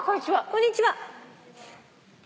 こんにちは。